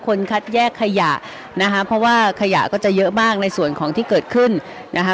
คัดแยกขยะนะคะเพราะว่าขยะก็จะเยอะมากในส่วนของที่เกิดขึ้นนะคะ